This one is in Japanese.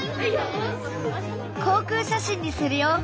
航空写真にするよ！